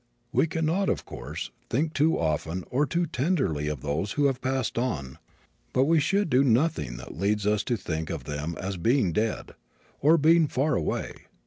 We can not, of course, think too often nor too tenderly of those who have passed on, but we should do nothing that leads us to think of them as being dead, or being far away.